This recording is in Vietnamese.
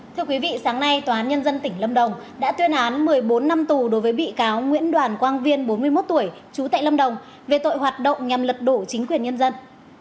thưa quý vị sáng nay tòa án nhân dân tỉnh lâm đồng đã tuyên án một mươi bốn năm tù đối với bị cáo nguyễn đoàn quang viên bốn mươi một tuổi trú tại lâm đồng về tội hoạt động nhằm lật đổ chính quyền nhân dân